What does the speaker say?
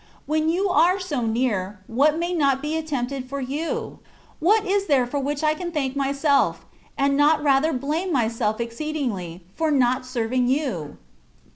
When You are so near, what may not be attempted for You? What ii CONCEPTIONS OF DIVINE LOVE. 257 there for which I can thank myself, and not rather blame myself exceedingly, for not serving You